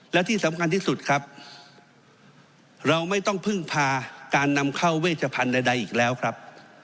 และที่สำคัญที่สุดครับเราไม่ต้องพึ่งพาการนำเข้าเวชพันธุ์ใดอีกแล้วครับ